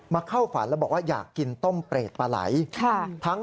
เข้าฝันแล้วบอกว่าอยากกินต้มเปรตปลาไหล